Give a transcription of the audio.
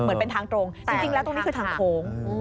เหมือนเป็นทางตรงจริงแล้วตรงนี้คือทางโค้ง